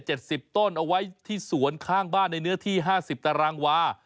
ต้นเอาไว้ที่สวนข้างบ้านในเนื้อที่ห้าสิบตารางวา